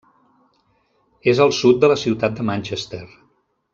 És al sud de la ciutat de Manchester.